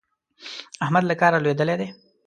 احمد له کاره لوېدلی دی.